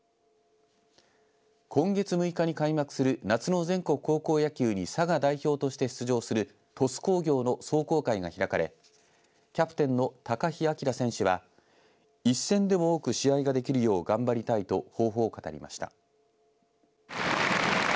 今月６日に開幕する夏の全国高校野球に佐賀代表として出場する鳥栖工業の壮行会が開かれキャプテンの高陽章選手は一戦でも多く試合ができるよう頑張りたいと抱負を語りました。